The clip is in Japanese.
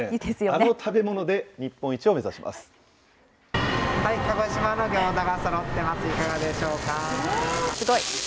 あの食べ物で日本一を目指します。